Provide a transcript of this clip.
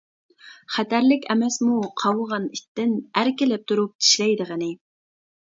خەتەرلىك ئەمەسمۇ قاۋىغان ئىتتىن، ئەركىلەپ تۇرۇپ چىشلەيدىغىنى.